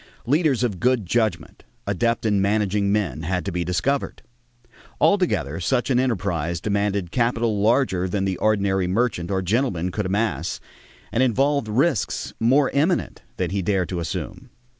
Leaders of good judgment, adept in managing men, had to be discovered. Altogether such an enterprise demanded capital larger than the ordinary merchant or gentleman could amass and involved risks more imminent than he dared to assume.